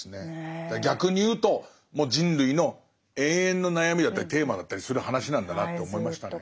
逆に言うともう人類の永遠の悩みだったりテーマだったりする話なんだなと思いましたね。